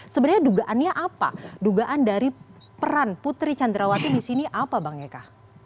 sebenarnya dugaannya apa dugaan dari peran putri candrawati di sini apa bang eka